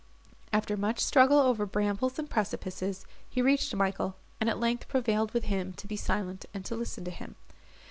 After much struggle over brambles and precipices, he reached Michael, and at length prevailed with him to be silent, and to listen to him.